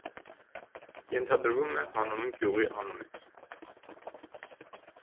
Ենթադրվում է համանուն գյուղի անունից։